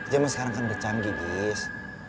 zaman sekarang kan becanggih giz